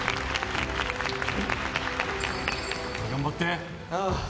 頑張って。